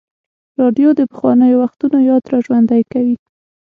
راډیو د پخوانیو وختونو یاد راژوندی کوي.